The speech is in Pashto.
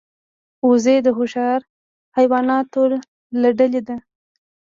وزې د هوښیار حیواناتو له ډلې ده